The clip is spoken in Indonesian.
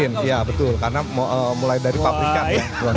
iya betul karena mulai dari pabrikan ya